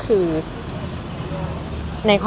คือสิ่งที่พิยุตพยายามจะต่อสู้ก็คือ